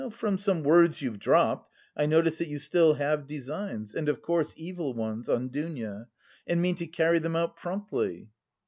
"From some words you've dropped, I notice that you still have designs and of course evil ones on Dounia and mean to carry them out promptly."